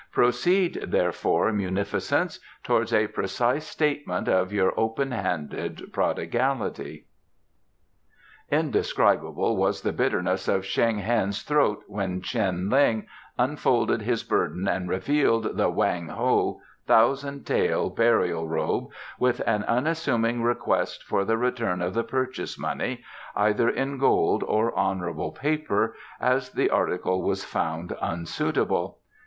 Proceed, therefore, munificence, towards a precise statement of your open handed prodigality." * Indescribable was the bitterness of Shen Heng's throat when Cheng Lin unfolded his burden and revealed the Wang Ho thousand tael burial robe, with an unassuming request for the return of the purchase money, either in gold or honourable paper, as the article was found unsuitable.